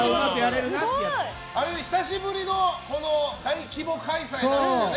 久しぶりの大規模開催なんですよね。